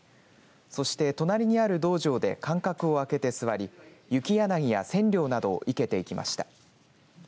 そして、隣にある道場で間隔を空けて座り雪柳や千両などを生けていきました。